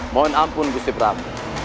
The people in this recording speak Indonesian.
mohon ampun gusip ram